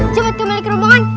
coba kembali ke rombongan